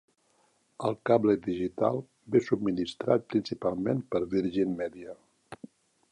El cable digital ve subministrat principalment per Virgin Media.